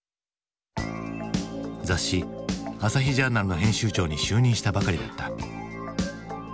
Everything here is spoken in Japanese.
雑誌「朝日ジャーナル」の編集長に就任したばかりだった。